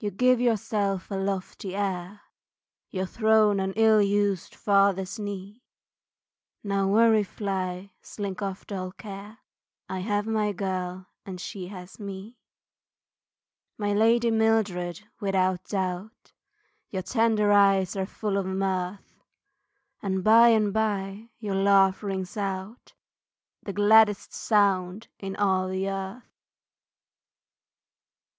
You give yourself a lofty air, Your throne an ill used father's knee Now worry fly, slink off dull care, I have my girl, and she has me. My lady Mildred without doubt, Your tender eyes are full of mirth, And by and by, your laugh rings out, The gladdest sound in all the earth.